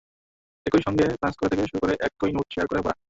একই সঙ্গে ক্লাস করা থেকে শুরু করে একই নোট শেয়ার করে পড়া।